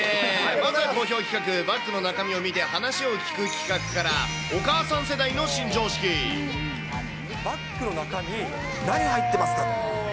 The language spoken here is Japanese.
まずは好評企画、バッグの中身を見て話を聞く企画から、お母さんバッグの中身、何入ってますか？